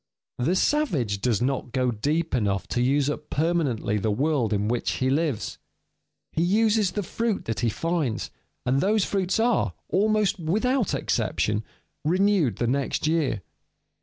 _ The savage does not go deep enough to use up permanently the world in which he lives. He uses the fruits that he finds, and those fruits are, almost without exception, renewed the next year.